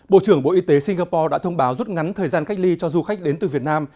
bộ trưởng bộ y tế singapore đã thông báo rút ngắn thời gian cách ly cho du khách đến từ việt nam